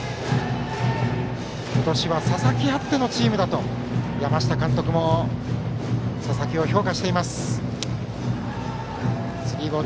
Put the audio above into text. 今年は佐々木あってのチームだと山下監督も佐々木を評価しています。